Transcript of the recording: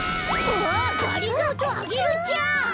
あっがりぞーとアゲルちゃん！